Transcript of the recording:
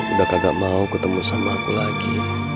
udah kagak mau ketemu sama aku lagi